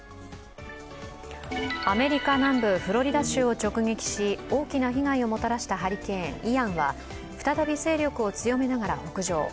アメリカ南部フロリダ州を直撃し、大きな被害をもたらしたハリケーン、イアンは再び勢力を強めながら北上。